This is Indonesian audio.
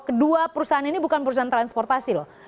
kedua perusahaan ini bukan perusahaan transportasi loh